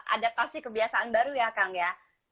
adaptasi kebiasaan baru ya kang ya